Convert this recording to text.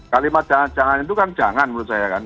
kalimat jangan jangan itu kan jangan menurut saya